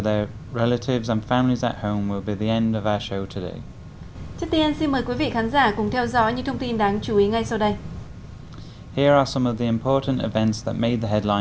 đây là những thông tin đáng chú ý ngay sau đây